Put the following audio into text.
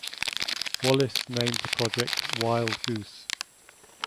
Wallis named the project Wild Goose.